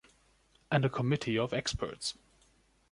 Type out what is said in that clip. And a committee of experts.